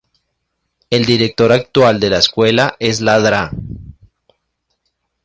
El director actual de la escuela es la Dra.